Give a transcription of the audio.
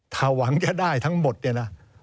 ถ้าหวังจะได้ทั้งหมดเนี่ยนะ